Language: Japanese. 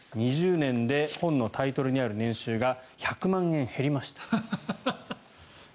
２０年で本のタイトルにある年収が１００万円減りました。